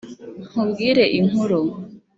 Nkubwire inkuru